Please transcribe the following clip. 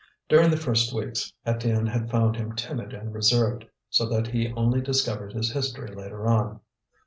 During the first weeks, Étienne had found him timid and reserved, so that he only discovered his history later on.